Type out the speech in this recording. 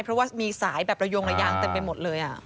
เพราะว่ามีสายแบบระยงระยางเต็มไปหมดเลย